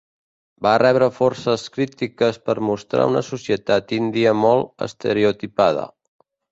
Va rebre forces crítiques per mostrar una societat índia molt estereotipada.